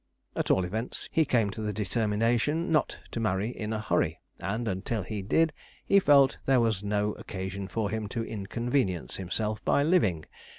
At all events, he came to the determination not to marry in a hurry; and until he did, he felt there was no occasion for him to inconvenience himself by living.